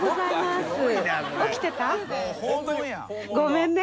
「ごめんね。